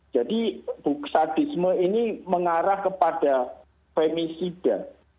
jadi sadisme ini mengarah kepada femisida